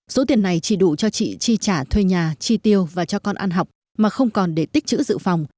số tiền này chỉ đủ cho chị chi trả thuê nhà chi tiêu và cho con ăn học mà không còn để tích chữ dự phòng